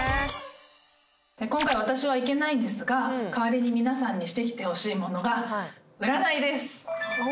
今回私は行けないんですが代わりにしてきてほしいものが占いです。